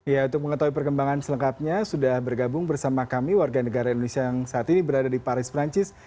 ya untuk mengetahui perkembangan selengkapnya sudah bergabung bersama kami warga negara indonesia yang saat ini berada di paris perancis